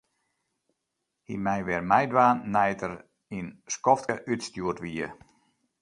Hy mei wer meidwaan nei't er der in skoftke útstjoerd wie.